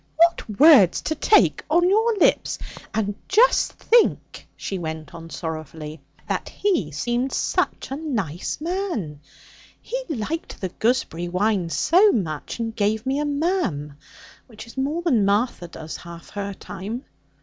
What words you take on your lips! And just think,' she went on sorrowfully, 'that he seemed such a nice man. He liked the gooseberry wine so much, and gave me a "ma'am," which is more than Martha does half her time.